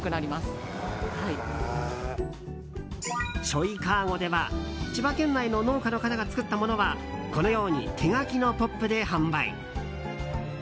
しょいかごでは千葉県内の農家の方が作ったものはこのように手書きのポップで販売。